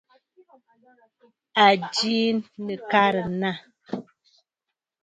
À jɨ nɨ̀karə̀ nâ.